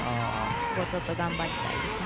ここちょっと頑張りたいですね。